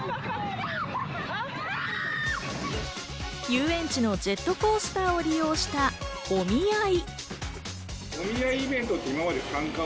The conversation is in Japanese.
遊園地のジェットコースターを利用したお見合い。